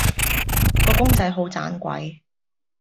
個公仔好盞鬼